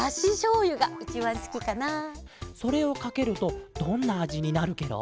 それをかけるとどんなあじになるケロ？